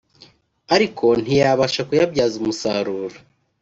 ariko ntiyabasha kuyabyaza umusaruro